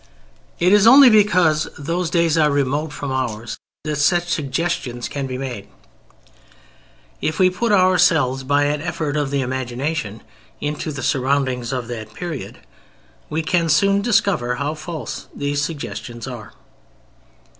It is only because those days are remote from ours that such suggestions can be made. If we put ourselves by an effort of the imagination into the surroundings of that period, we can soon discover how false these suggestions are.